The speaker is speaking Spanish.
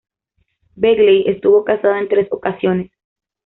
Begley estuvo casado en tres ocasiones.